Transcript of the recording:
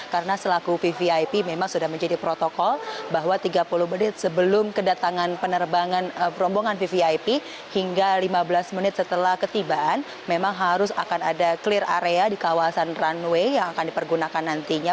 karena selaku pvip memang sudah menjadi protokol bahwa tiga puluh menit sebelum kedatangan penerbangan rombongan pvip hingga lima belas menit setelah ketibaan memang harus akan ada clear area di kawasan runway yang akan dipergunakan nantinya